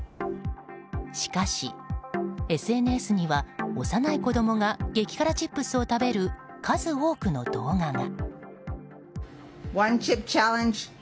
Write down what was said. しかし、ＳＮＳには幼い子供が激辛チップスを食べる数多くの動画が。